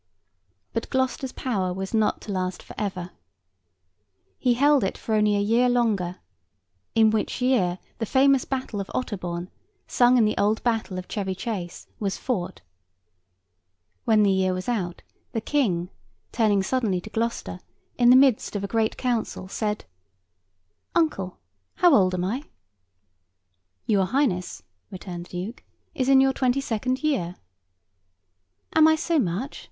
But Gloucester's power was not to last for ever. He held it for only a year longer; in which year the famous battle of Otterbourne, sung in the old ballad of Chevy Chase, was fought. When the year was out, the King, turning suddenly to Gloucester, in the midst of a great council said, 'Uncle, how old am I?' 'Your highness,' returned the Duke, 'is in your twenty second year.' 'Am I so much?